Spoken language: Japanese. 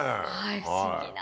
不思議な。